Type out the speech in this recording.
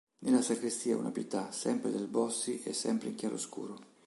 Nella sacrestia una "Pietà" sempre del Bossi e sempre in chiaroscuro.